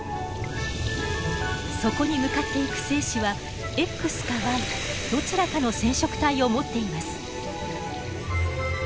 そこに向かっていく精子はＸかＹどちらかの染色体を持っています。